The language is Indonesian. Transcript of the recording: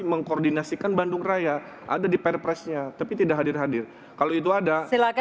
mengkoordinasikan bandung raya ada di perpresnya tapi tidak hadir hadir kalau itu ada silakan